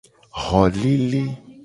Xolele.